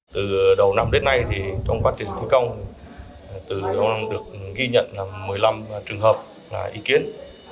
từ đầu năm đến nay thì trong quá trình thi công từ ông được ghi nhận một mươi năm trường hợp ý kiến